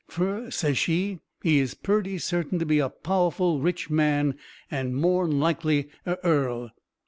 Fur, says she, he is purty certain to be a powerful rich man and more'n likely a earl.